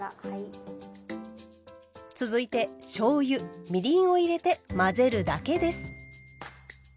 続いてしょうゆみりんを入れて混ぜるだけです。